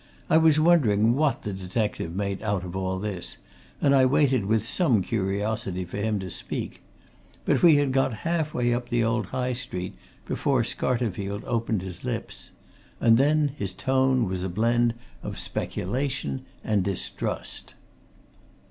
I was wondering what the detective made out of all this, and I waited with some curiosity for him to speak. But we had got half way up the old High Street before Scarterfield opened his lips. And then his tone was a blend of speculation and distrust.